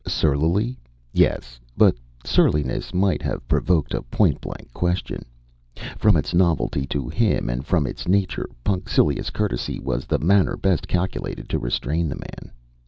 Surlily? Yes, but surliness might have provoked a point blank question. From its novelty to him and from its nature, punctilious courtesy was the manner best calculated to restrain the man.